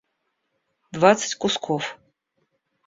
двадцать кусков